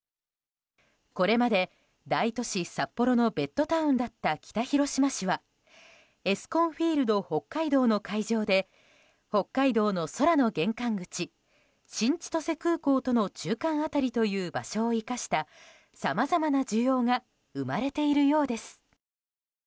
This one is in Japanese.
これまで大都市・札幌のベッドタウンだった北広島市はエスコンフィールドＨＯＫＫＡＩＤＯの開場で北海道の空の玄関口新千歳空港との中間辺りという場所を生かしたさまざまな需要が生まれているようです。